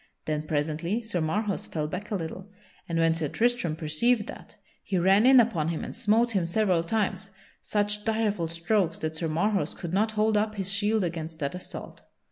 Then presently Sir Marhaus fell back a little and when Sir Tristram perceived that he ran in upon him and smote him several times, such direful strokes that Sir Marhaus could not hold up his shield against that assault.